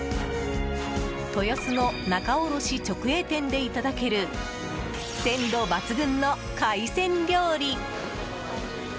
豊洲の仲卸直営店でいただける鮮度抜群の海鮮料理。